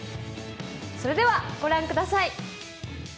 それでは御覧ください！